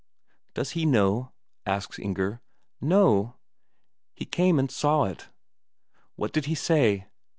"Does he know?" asks Inger. "Know? He came and saw it." "What did he say?"